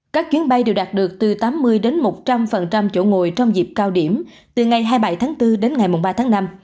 các chuyến bay đều đạt được từ tám mươi đến một trăm linh chỗ ngồi trong dịp cao điểm từ ngày hai mươi bảy tháng bốn đến ngày ba tháng năm